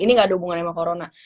ini gak ada hubungan sama corona